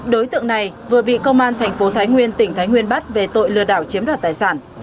đối tượng này vừa bị công an thành phố thái nguyên tỉnh thái nguyên bắt về tội lừa đảo chiếm đoạt tài sản